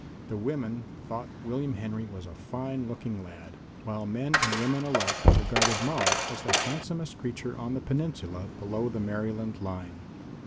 The women thought William Henry a fine looking lad, while men and women alike regarded Maude as the handsomest creature on the Peninsula below the Maryland line.